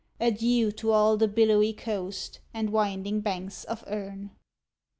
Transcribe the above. Adieu to all the billowy coast, and winding banks of Erne!